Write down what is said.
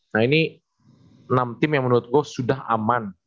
nah ini enam tim yang menurut gue sudah aman